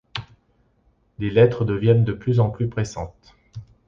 Les lettres deviennent de plus en plus pressantes.